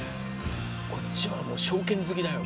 こっちはもう正拳突きだよ。